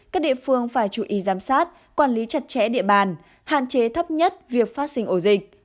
các địa phương phải chú ý giám sát quản lý chặt chẽ địa bàn hạn chế thấp nhất việc phát sinh ổ dịch